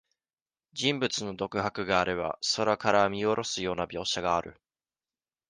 人物の独白があれば、空から見おろすような描写がある。